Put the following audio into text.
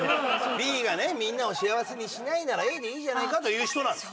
Ｂがみんなを幸せにしないならＡでいいじゃないかという人なんですよ。